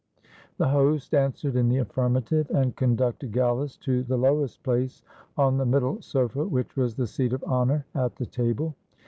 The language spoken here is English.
The host answered in the affirmative, and conducted Gallus to the lowest place on the middle sofa, which was the seat of honor at the table.